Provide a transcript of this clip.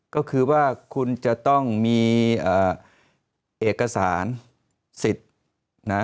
ก็คือว่าคุณจะต้องมีเอกสารสิทธิ์นะ